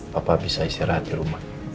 bapak bisa istirahat di rumah